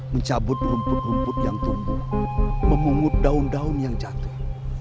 mencabut rumput rumput yang tumbuh memungut daun daun yang jatuh